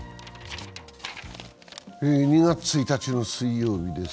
２月１日の水曜日です。